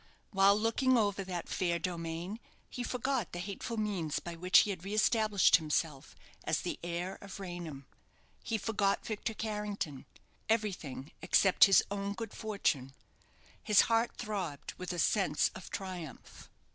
While looking over that fair domain, he forgot the hateful means by which he had re established himself as the heir of Raynham. He forgot Victor Carrington everything except his own good fortune. His heart throbbed with a sense of triumph.